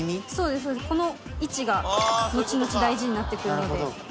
この位置が後々大事になってくるので。